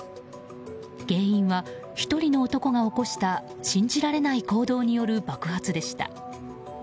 原因は１人の男が起こした信じられない行動による爆発でした。